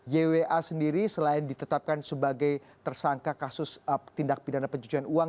ywa sendiri selain ditetapkan sebagai tersangka kasus tindak pidana pencucian uang